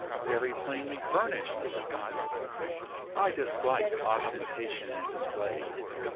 Very plainly furnished, is it not? I dislike ostentation and display.